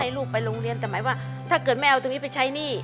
ลูกไปโรงเรียนแต่หมายว่าถ้าเกิดไม่เอาตรงนี้ไปใช้หนี้